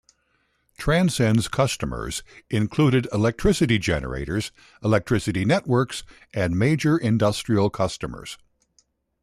Transend's customers included electricity generators, electricity networks and major industrial customers.